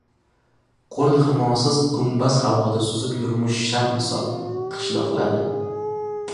Qo‘l-himosiz gumbaz havoda suzib yurmish shar misol qishloqladi.